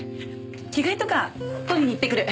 着替えとか取りにいってくる。